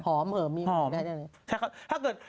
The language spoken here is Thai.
หอมเหรอมีคำเฉพาะไหม